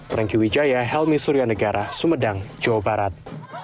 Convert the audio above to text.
franky wijaya helmi suryanegara sumedang jawa barat